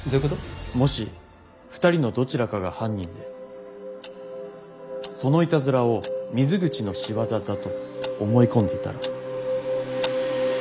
もし２人のどちらかが犯人でそのイタズラを水口の仕業だと思い込んでいたら。